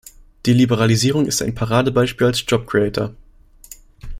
Die Liberalisierung ist ein Paradebeispiel als job creator.